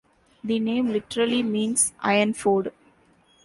The name literally means Iron Ford.